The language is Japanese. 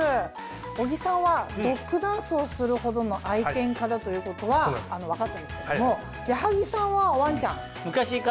小木さんはドッグダンスをするほどの愛犬家だということは分かったんですけども矢作さんはワンちゃん？